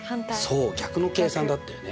そう逆の計算だったよね。